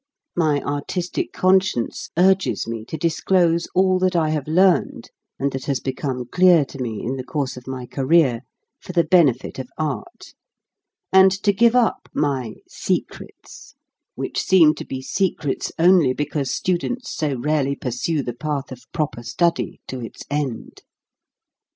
4 HOW TO SING My artistic conscience urges me to disclose all that I have learned and that has become clear to me in the course of my career, for the benefit of art; and to give up my " secrets," which seem to be secrets only because students so rarely pursue the path of proper study to its end.